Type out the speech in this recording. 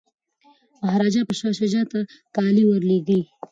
مهاراجا به شاه شجاع ته کالي ور لیږي.